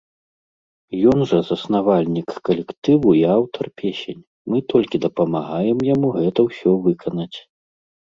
Ён жа заснавальнік калектыву і аўтар песень, мы толькі дапамагаем яму гэта ўсё выканаць.